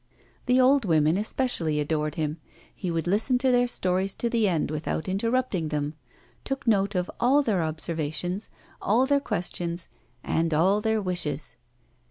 The old women especially adored him. He would listen to their stories to the end without interrupting them, took note of all their observations, all their questions, and all their wishes.